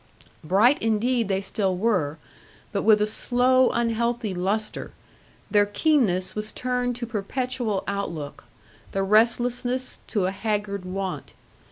Bright indeed they still were, but with a slow unhealthy lustre; their keenness was turned to perpetual outlook, their restlessness to a haggard want.